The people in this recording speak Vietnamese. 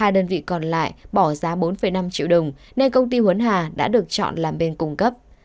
ba đơn vị còn lại bỏ giá bốn năm triệu đồng nên công ty huấn hà đã được chọn làm bên cung cấp